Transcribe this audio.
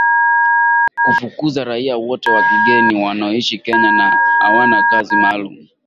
Kufukuza raia wote wa kigeni wanaoishi Kenya na hawana kazi maalum